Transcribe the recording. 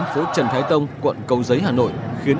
phố trần thái tông quận cầu giấy hà nội